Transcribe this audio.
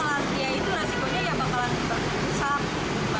tapi bakalan dia itu resikonya ya bakalan terbang